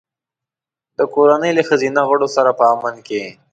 د کورنۍ له ښځینه غړو سره په امن کې.